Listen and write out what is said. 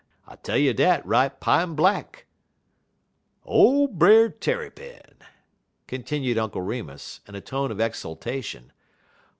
I tell you dat right pine blank. "Ole Brer Tarrypin!" continued Uncle Remus in a tone of exultation.